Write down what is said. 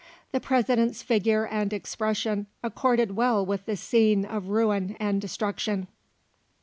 The President's figure and expression accorded well with the scene of ruin and destruction.